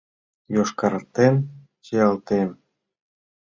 Йошкартен чиялтем.